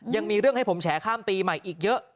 ยังมีเรื่องให้ผมแฉข้ามปีใหม่อีกเยอะ